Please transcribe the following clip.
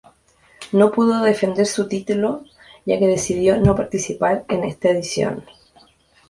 No pudo defender su título ya que decidió no participar en esta edición.